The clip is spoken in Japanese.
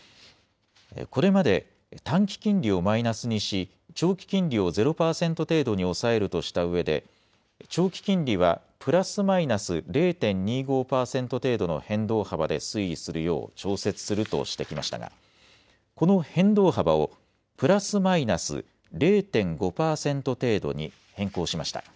これまで短期金利をマイナスにし長期金利を０％程度に抑えるとしたうえで長期金利はプラスマイナス０．２５％程度の変動幅で推移するよう調節するとしてきましたが、この変動幅をプラスマイナス０．５％程度に変更しました。